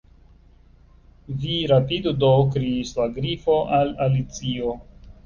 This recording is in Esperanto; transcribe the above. "Vi rapidu do," kriis la Grifo al Alicio.